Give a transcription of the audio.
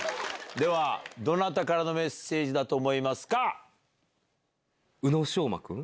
⁉ではどなたからのメッセージだと思いますか？